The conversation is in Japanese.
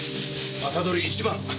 朝取り一番！